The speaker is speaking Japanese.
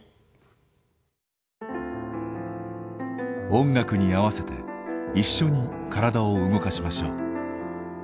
音楽に合わせて一緒に体を動かしましょう。